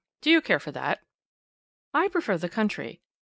Do you care for that?" "I prefer the country."